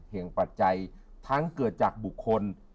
ปัจจัยทั้งเกิดจากบุคคล